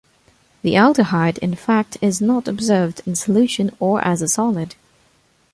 The aldehyde in fact is not observed in solution or as a solid.